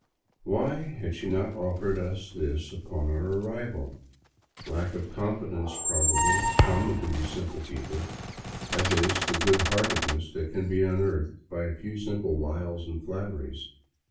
Why had she not offered us this upon our arrival? Lack of confi dence, probably, common to these simple people as is the good hearted ness that can be unearthed by a few simple wiles and flatteries.